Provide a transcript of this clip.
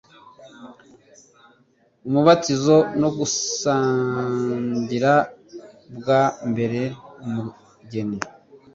umubatizo no gusangira bwa mbere umugeni